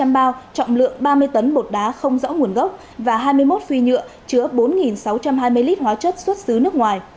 một trăm linh bao trọng lượng ba mươi tấn bột đá không rõ nguồn gốc và hai mươi một phi nhựa chứa bốn sáu trăm hai mươi lít hóa chất xuất xứ nước ngoài